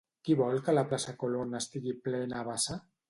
Qui vol que la plaça Colón estigui plena a vessar?